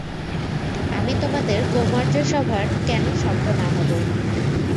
আমি তোমাদের কৌমার্যসভার কেন সভ্য না হব?